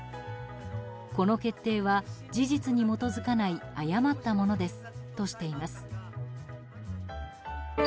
この決定は、事実に基づかない誤ったものですとしています。